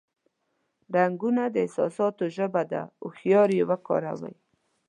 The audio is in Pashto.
رنگونه د احساساتو ژبه ده، هوښیار یې وکاروه.